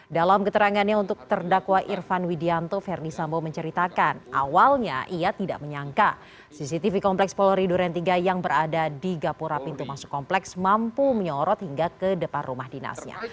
dalam keterangannya untuk terdakwa irfan widianto verdi sambo menceritakan awalnya ia tidak menyangka cctv kompleks polri duren tiga yang berada di gapura pintu masuk kompleks mampu menyorot hingga ke depan rumah dinasnya